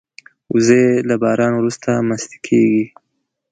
وزې له باران وروسته مستې کېږي